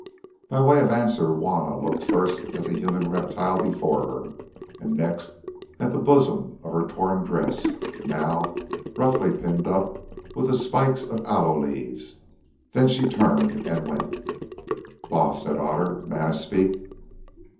By way of answer Juanna looked first at the human reptile before her, and next at the bosom of her torn dress, now roughly pinned up with the spikes of aloe leaves. Then she turned and went. "Baas," said Otter, "may I speak?"